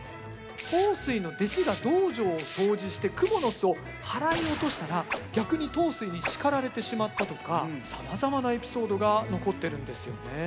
桃水の弟子が道場を掃除してクモの巣を払い落としたら逆に桃水に叱られてしまったとかさまざまなエピソードが残ってるんですよね。